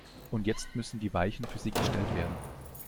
Und jetzt müssen die Weichen für sie gestellt werden.